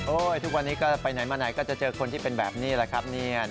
ทุกวันนี้ก็ไปไหนมาไหนก็จะเจอคนที่เป็นแบบนี้แหละครับเนี่ย